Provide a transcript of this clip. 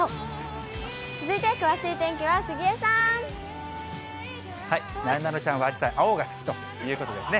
続いて詳しい天気は杉江さんです。